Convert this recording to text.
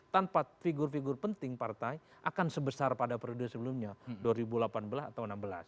tanpa figur figur penting partai akan sebesar pada periode sebelumnya dua ribu delapan belas atau enam belas